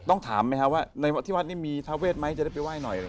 ถามไหมครับว่าในที่วัดนี้มีทาเวทไหมจะได้ไปไห้หน่อย